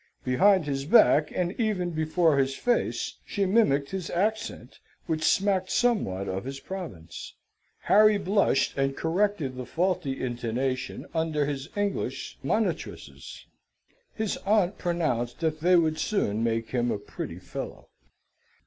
Behind his back, and even before his face, she mimicked his accent, which smacked somewhat of his province. Harry blushed and corrected the faulty intonation, under his English monitresses. His aunt pronounced that they would soon make him a pretty fellow.